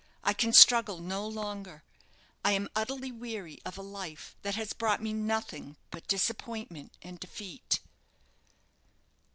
I can struggle no longer; I am utterly weary of a life that has brought me nothing but disappointment and defeat."